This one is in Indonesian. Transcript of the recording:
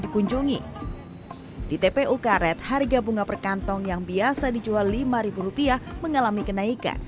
dikunjungi di tpu karet harga bunga perkantong yang biasa dijual lima ribu rupiah mengalami kenaikan